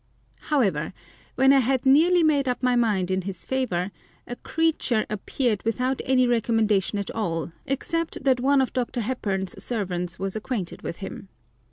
However, when I had nearly made up my mind in his favour, a creature appeared without any recommendation at all, except that one of Dr. Hepburn's servants was acquainted with him.